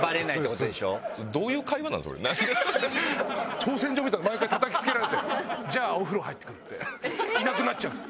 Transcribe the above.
挑戦状みたいなの毎回たたき付けられて「じゃあお風呂入って来る」っていなくなっちゃうんです。